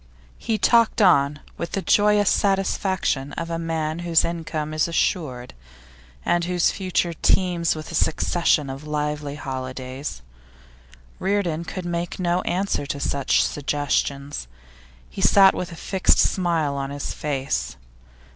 He talked on with the joyous satisfaction of a man whose income is assured, and whose future teems with a succession of lively holidays. Reardon could make no answer to such suggestions; he sat with a fixed smile on his face.